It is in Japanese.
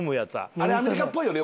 あれアメリカっぽいよね。